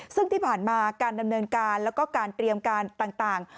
ซึ่งที่ผ่านมาการดำเนินการแล้วก็การเตรียมการต่าง